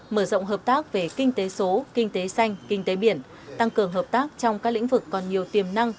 mở rộng hợp tác về kinh tế số kinh tế xanh kinh tế biển tăng cường hợp tác trong các lĩnh vực còn nhiều tiềm năng